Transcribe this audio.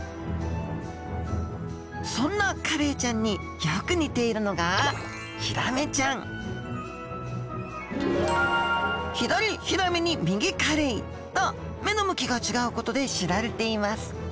そんなカレイちゃんによく似ているのが左ヒラメに右カレイと目の向きが違うことで知られています。